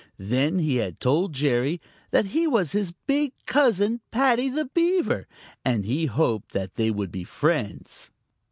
Then he had told Jerry that he was his big cousin, Paddy the Beaver, and he hoped that they would be friends.